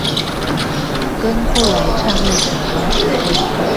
跟後來篡位之後